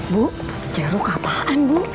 bu ceruk apaan bu